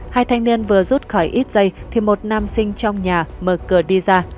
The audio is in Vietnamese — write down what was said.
hai thanh niên vừa rút khỏi ít giây thì một nam sinh trong nhà mở cửa đi ra